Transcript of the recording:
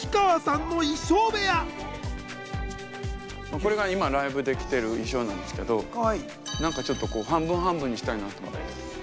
これが今ライブで着てる衣装なんですけど何かちょっと半分半分にしたいなと。